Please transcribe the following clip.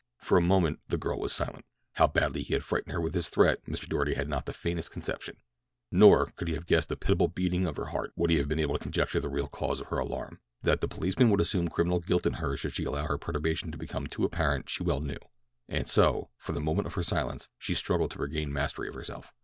For a moment the girl was silent. How badly he had frightened her with his threat Mr. Doarty had not the faintest conception, nor, could he have guessed the pitiable beating of her heart, would he have been able to conjecture the real cause of her alarm. That the policeman would assume criminal guilt in her should she allow her perturbation to become too apparent she well knew, and so, for the moment of her silence, she struggled to regain mastery of herself.